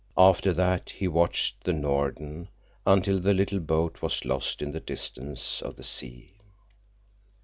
After that, he watched the Norden until the little boat was lost in the distance of the sea.